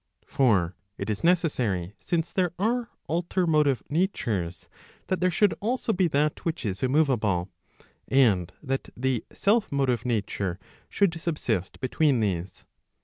For it is necessary since there are alter motive natures, that there should also be that which is immoveable, and that the self motive nature should subsist between these.